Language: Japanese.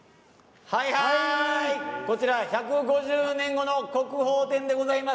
こちら「１５０年後の国宝展」でございます。